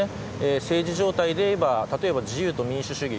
政治状態でいえば自由と民主主義